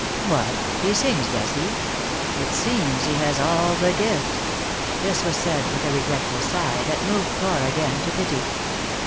"What ! he sings, does he? It seems he has all the gifts." This was said with a regretful sigh, that moved Flora again to pity.